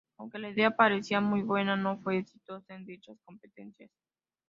Aunque la idea parecía ser muy buena, no fue exitosa en dichas competencias.